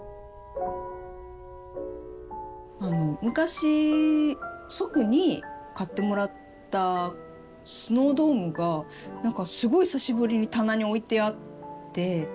昔祖父に買ってもらったスノードームが何かすごい久しぶりに棚に置いてあって。